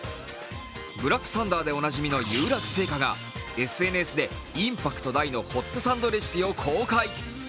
ブラックサンダーでおなじみの有楽製菓がＳＮＳでインパクト大のホットサンドレシピを公開。